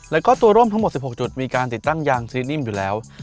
แล้วก็ตัวร่มทั้งหมด๑๖จุดมีการติดตั้งยางซีนิ่มอยู่แล้ว